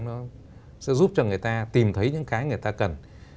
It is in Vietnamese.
nó sẽ giúp cho người ta tìm thấy những cái người ta cần